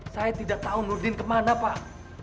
saya tidak tahu nurdin kemana pak